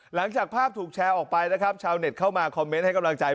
หลังจากภาพถูกแชร์ออกไปนะครับชาวเน็ตเข้ามาคอมเมนต์ให้กำลังใจ